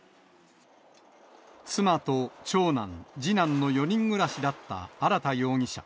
妻と長男、次男の４人暮らしだった荒田容疑者。